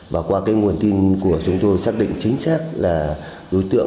và qua cái nguồn tin của chúng tôi xác định chính xác là đối tượng